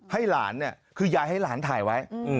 ให้หลานเนี่ยคือยายให้หลานถ่ายไว้